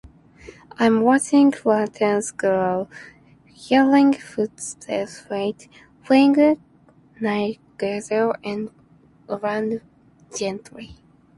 I'm watching lanterns glow, hearing footsteps fade, feeling night gather around gently.